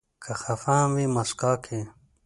که خفه هم وي، مسکا کوي.